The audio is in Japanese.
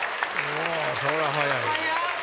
おそれは早い。